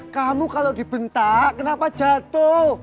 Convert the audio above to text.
kamu kalau dibentak kenapa jatuh